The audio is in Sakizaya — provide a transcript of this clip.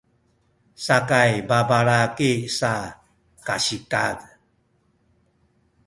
sakay babalaki sa kasikaz